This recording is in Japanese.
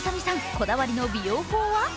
こだわりの美容法は？